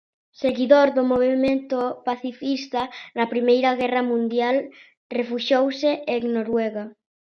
Seguidor do movemento pacifista, na Primeira Guerra Mundial refuxiouse en Noruega.